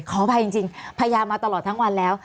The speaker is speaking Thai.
ขออภัยจริงพยายามมาตลอดทั้งวันแล้ว